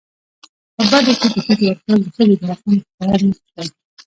په بدو کي د ښځو ورکول د ښځو د حقونو ښکاره نقض دی.